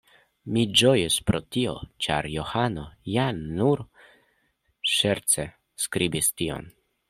Mi ĝojis pro tio, ĉar Johano ja nur ŝerce skribis tion.